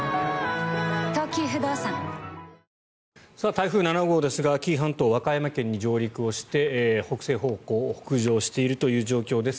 台風７号ですが紀伊半島和歌山県に上陸して北西方向に北上しているという状況です。